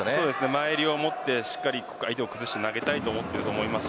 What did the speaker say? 前襟を持ってしっかり相手を崩して投げたいと思っています。